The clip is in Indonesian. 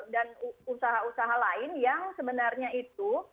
dan usaha usaha lain yang sebenarnya itu